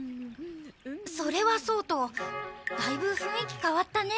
それはそうとだいぶ雰囲気変わったね